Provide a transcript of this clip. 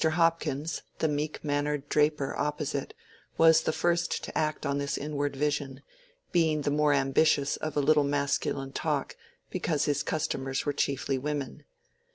Hopkins, the meek mannered draper opposite, was the first to act on this inward vision, being the more ambitious of a little masculine talk because his customers were chiefly women.